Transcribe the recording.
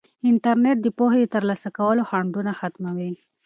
انټرنیټ د پوهې د ترلاسه کولو خنډونه ختموي.